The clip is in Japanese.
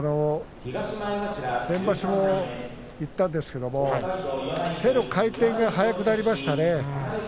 先場所も言ったんですけど手の回転が速くなりましたね。